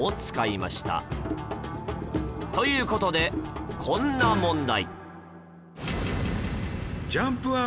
という事でこんな問題